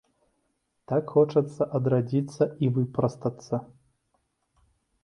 Так хочацца адрадзіцца і выпрастацца.